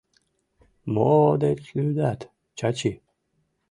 — Мо деч лӱдат, Чачи?